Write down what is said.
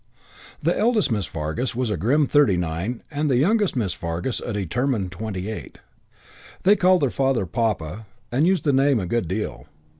The eldest Miss Fargus was a grim thirty nine and the youngest Miss Fargus a determined twenty eight. They called their father "Papa" and used the name a good deal.